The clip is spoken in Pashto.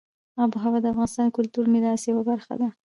آب وهوا د افغانستان د کلتوري میراث یوه برخه ده.